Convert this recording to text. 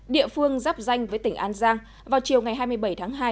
địa phương giáp danh với tỉnh an giang vào chiều ngày hai mươi bảy tháng hai